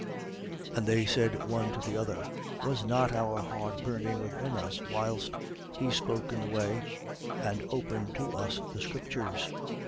24:32. And they said one to the other: Was not our heart burning within us, whilst he spoke in the way and opened to us the scriptures?